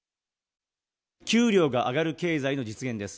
給料が上がる経済の実現です。